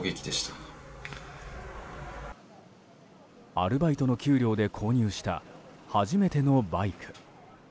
アルバイトの給料で購入した初めてのバイク。